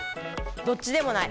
どっちでもない。